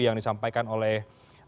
yang disampaikan oleh